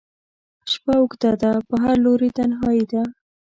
شپه اوږده ده په هر لوري تنهایي ده